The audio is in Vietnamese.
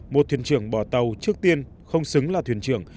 một thuyền trường bỏ tàu trước tiên không xứng là thuyền trường